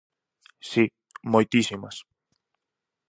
Si, moitísimas.